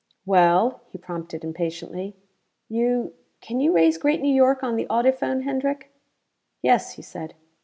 "Well?" he prompted impatiently. "You can you raise Great New York on the audiphone, Hendrick?" "Yes," he said.